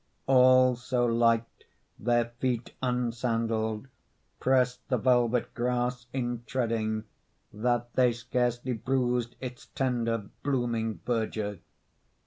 All so light their feet unsandalled Pressed the velvet grass in treading, That they scarcely bruised its tender Blooming verdure.